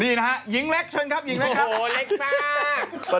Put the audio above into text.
พี่พฤษฐานเชิญนะฮะหญิงกลางหญิงกลางหญิงกลางต้องไปรับข้างโน้นน่ะไหม